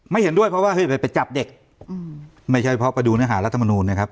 เห็นด้วยเพราะว่าเฮ้ยไปไปจับเด็กไม่ใช่เพราะไปดูเนื้อหารัฐมนูลนะครับ